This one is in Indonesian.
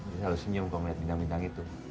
dia selalu senyum kok melihat bintang bintang itu